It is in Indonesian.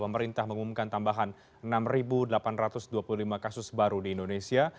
pemerintah mengumumkan tambahan enam delapan ratus dua puluh lima kasus baru di indonesia